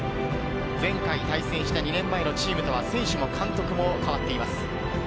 前回対戦した２年前のチームとは選手も監督も変わっています。